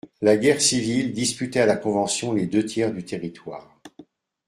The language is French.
La guerre civile disputait à la Convention les deux tiers du territoire.